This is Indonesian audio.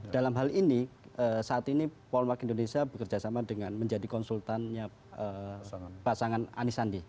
dalam hal ini saat ini polmark indonesia bekerjasama dengan menjadi konsultannya pasangan anisandi